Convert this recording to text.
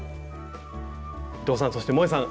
伊藤さんそしてもえさん